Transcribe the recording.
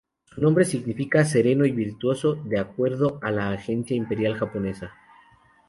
Su nombre significa ‘sereno y virtuoso’, de acuerdo a la Agencia Imperial Japonesa.